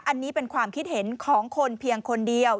อันนี้เป็นความคิดเห็นของคนเพียงคนเดียว